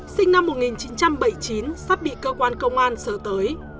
sinh năm một nghìn chín trăm bảy mươi chín sắp bị cơ quan công an sơ tới